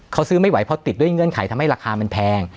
เขาซื้อไม่ไหวเพราะติดด้วยเงื่อนไขทำให้ราคามันแพง